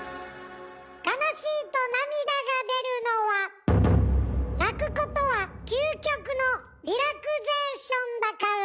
悲しいと涙が出るのは泣くことは究極のリラクゼーションだから。